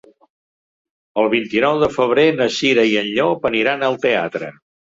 El vint-i-nou de febrer na Cira i en Llop aniran al teatre.